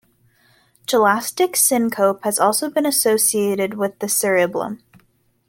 Gelastic syncope has also been associated with the cerebellum.